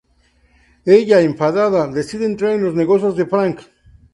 Ella, enfadada, decide entrar en los negocios de Frank.